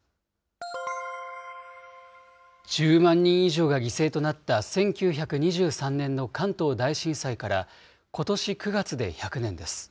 １０万人以上が犠牲となった１９２３年の関東大震災からことし９月で１００年です。